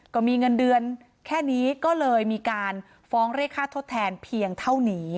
ก็มีเงินเดือนแค่นี้ก็เลยมีการฟ้องเรียกค่าทดแทนเพียงเท่านี้